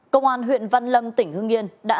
công an huyện văn lâm tỉnh hưng yên